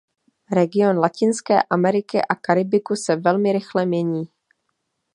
Region Latinské Ameriky a Karibiku se velmi rychle mění.